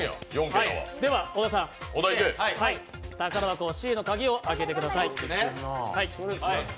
小田さん、宝箱Ｃの鍵を開けてください。